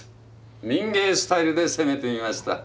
民藝スタイルで攻めてみました。